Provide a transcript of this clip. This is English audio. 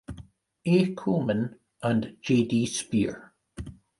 A. Coleman, and J. D. Spear.